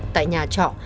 tại nhà trọ